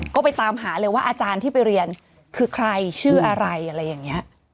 ก็ไปตามหาเลยว่าอาจารย์ที่ไปเรียนคือใครชื่ออะไรอะไรอย่างนี้